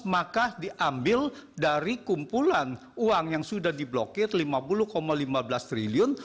maka diambil dari kumpulan uang yang sudah diblokir lima puluh lima belas triliun